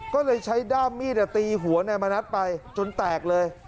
ก็เลยใช้ด้ามมีดตีหัวนายมณัฐไปจนแตกเลย